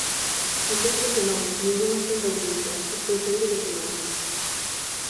Entendo que non, ningunha senda oculta, estou seguro de que non.